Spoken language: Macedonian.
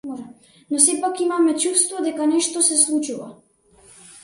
Но сепак имаме чувство дека нешто се случува.